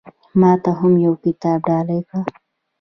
ما ته هم يو کتاب ډالۍ کړه